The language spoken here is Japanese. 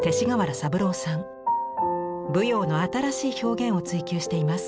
舞踊の新しい表現を追求しています。